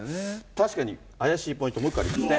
確かに怪しいポイント、もう一個あるんですって。